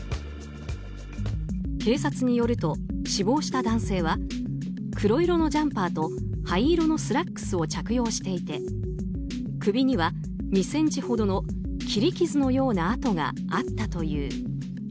警察によると、死亡した男性は黒色のジャンパーと灰色のスラックスを着用していて首には２ｃｍほどの切り傷のような痕があったという。